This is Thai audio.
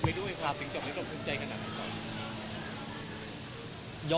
ไม่ด้วย